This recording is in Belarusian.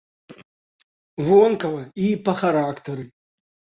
Вонкава і па характары.